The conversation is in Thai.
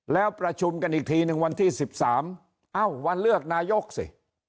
แล้วประชุมกันอีกทีหนึ่งวันที่๑๓เอ้าวันเลือกนายกสิ